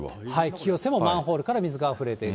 清瀬もマンホールから水があふれている。